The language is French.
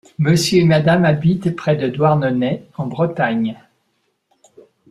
Monsieur et Madame habitent près de Douarnenez, en Bretagne.